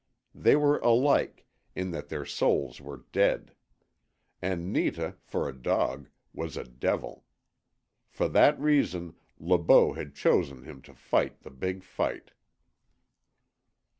They were alike, in that their souls were dead. And Netah, for a dog, was a devil. For that reason Le Beau had chosen him to fight the big fight.